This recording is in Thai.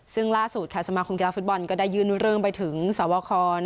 ซึ่งล่าสุดค่ะสมาคมกีฬาฟุตบอลก็ได้ยื่นเรื่องไปถึงสวค